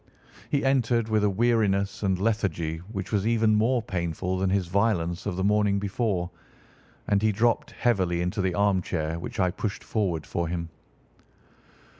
He entered with a weariness and lethargy which was even more painful than his violence of the morning before, and he dropped heavily into the armchair which I pushed forward for him.